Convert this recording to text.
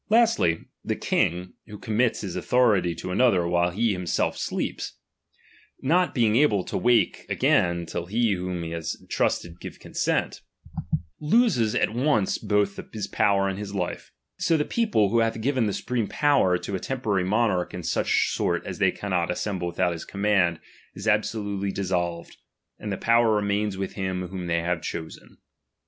Lastly, the king, who commits his authority to another while himself sleeps, not being able to wake again till he whom he entrusted give consent, loses at once both his power and his life ; so the people, who hath given the supreme power to a temporary monarch in such sort as they cannot assemble without his command, is absolutely dis solved, and the power remains vrith him whom they have chosen.